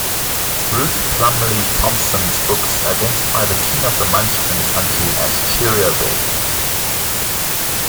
Ruth Plumly Thompson's books identify the king of the Munchkin Country as Cheeriobed.